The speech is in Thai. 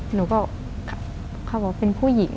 หนูก็